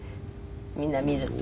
みんな見ると。